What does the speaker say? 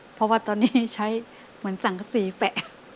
เพราะว่าตอนนี้ใช้เหมือนสังกษีแปะ